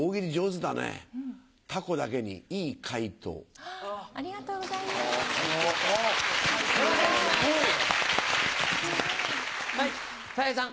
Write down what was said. はいたい平さん。